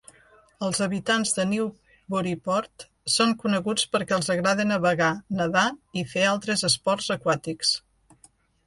Els habitants de Newburyport són coneguts perquè els agrada navegar, nedar i fer altres esports aquàtics.